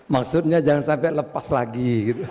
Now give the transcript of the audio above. maksudnya jangan sampai lepas lagi